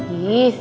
jiih subel deh